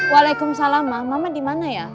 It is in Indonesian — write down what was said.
waalaikumsalam mama dimana ya